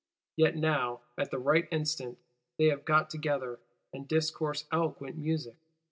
Yet now, at the right instant, they have got together, and discourse eloquent music.